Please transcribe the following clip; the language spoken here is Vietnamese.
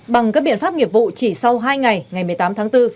bằng các biện pháp nghiệp vụ chỉ sau hai ngày ngày một mươi tám tháng bốn